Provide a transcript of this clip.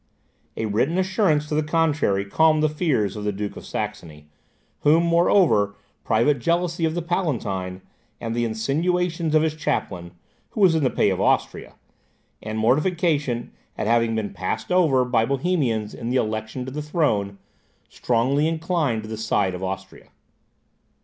A written assurance to the contrary calmed the fears of the Duke of Saxony, whom moreover private jealousy of the Palatine, and the insinuations of his chaplain, who was in the pay of Austria, and mortification at having been passed over by the Bohemians in the election to the throne, strongly inclined to the side of Austria.